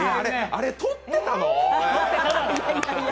あれ、撮ってたの？